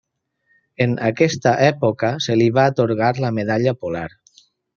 En aquesta època, se li va atorgar la medalla polar.